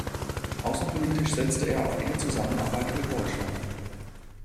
Außenpolitisch setzte er auf enge Zusammenarbeit mit Deutschland.